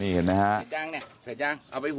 นี่เห็นไหมครับ